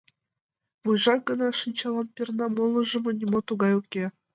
Вуйжак гына шинчалан перна, молыжо нимо тугай уке.